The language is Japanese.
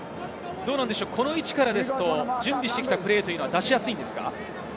この位置からは準備してきたプレーは出しやすいですか？